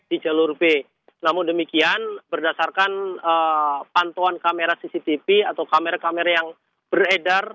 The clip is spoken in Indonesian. di jalur b namun demikian berdasarkan pantauan kamera cctv atau kamera kamera yang beredar